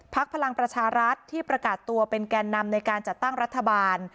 พลังประชารัฐที่ประกาศตัวเป็นแก่นำในการจัดตั้งรัฐบาล